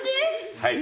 はい。